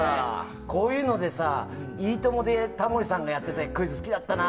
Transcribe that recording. こういうので「いいとも！」でタモリさんがやってたクイズ好きだったな。